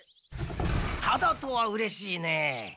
タダとはうれしいねえ。